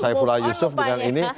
saifullah yusuf dengan ini